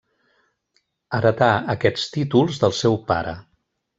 Heretà aquests títols del seu pare.